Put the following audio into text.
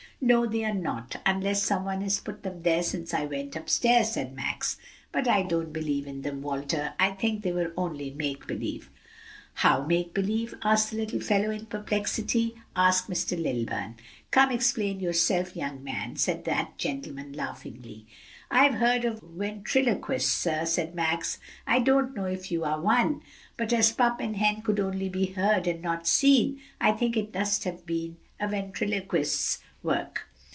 "No, they are not, unless some one has put them there since I went up stairs," said Max. "But I don't believe in them, Walter. I think they were only make believe." "How make believe?" asked the little fellow in perplexity. "Ask Mr. Lilburn." "Come, explain yourself, young man," said that gentleman laughingly. "I've heard of ventriloquists, sir," said Max. "I don't know if you are one, but as pup and hen could only be heard and not seen, I think it must have been a ventriloquist's work."